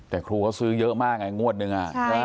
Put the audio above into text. แต่ครูเขาซื้อเยอะมากไงงวดนึงใช่ค่ะ